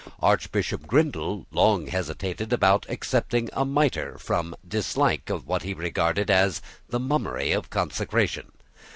Archbishop Grindal long hesitated about accepting a mitre from dislike of what he regarded as the mummery of consecration.